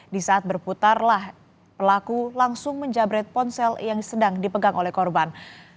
di saat berputarlah pelaku langsung menjabret ponsel yang sedang dipegang oleh korban